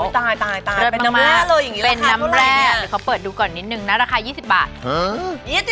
ตายตายอย่างนี้เป็นน้ำแร่เดี๋ยวเขาเปิดดูก่อนนิดนึงนะราคา๒๐บาท